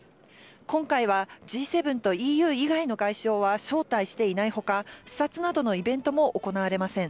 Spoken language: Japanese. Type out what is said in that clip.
今回はＧ７とＥＵ以外の外相は招待していないほか、視察などのイベントも行われません。